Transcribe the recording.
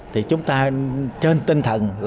thì chúng ta trên tinh thần